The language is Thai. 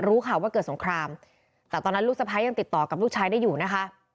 ค่ะว่าเกิดสงครามแต่ตอนนั้นลูกสะพ้ายยังติดต่อกับลูกชายได้อยู่นะคะ